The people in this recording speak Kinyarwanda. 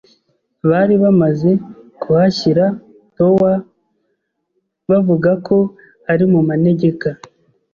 Bari bamaze kuhashyira towa bavugako ari mumanegeka